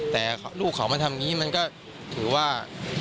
แต่ลูกเขามาทำอย่างนี้มันก็ถือว่า